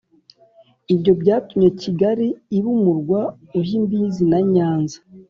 ibyo byatumye kigali iba umurwa ujya imbizi na nyanza.